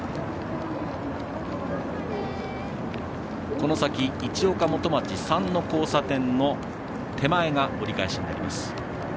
この先、市岡元町３の交差点の手前が折り返しになります。